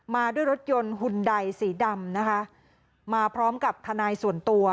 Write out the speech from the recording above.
มาด้วยรถยนต์หุ่นใดสีดำนะคะมาพร้อมกับทนายส่วนตัว